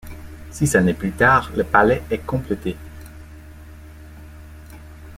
Six années plus tard, le palais est complété.